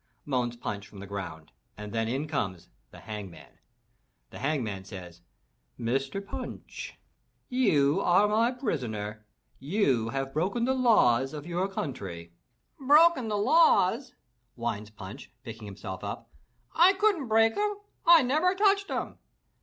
moans Punch, from the ground and then in comes the Hangman. The Hangman says: "Mr. Punch, you are my prisoner! You have broken the laws of your country!" 447 MY BOOK HOUSE Broken the laws?" whines Punch picking himself up. "I couldn^t break 'em. I never touched 'em!